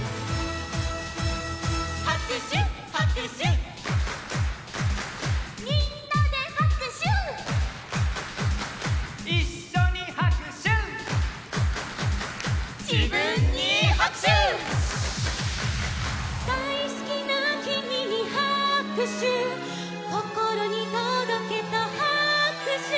「はくしゅはくしゅ」「みんなではくしゅ」「いっしょにはくしゅ」「じぶんにはくしゅ」「だいすきなキミにはくしゅ」「こころにとどけとはくしゅ」